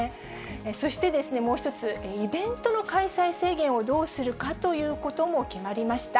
そしてもう一つ、イベントの開催制限をどうするかということも決まりました。